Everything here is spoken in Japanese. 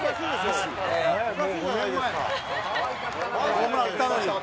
「ホームラン打ったのに」